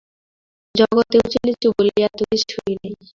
জগতে উঁচু-নীচু বলিয়া তো কিছুই নাই।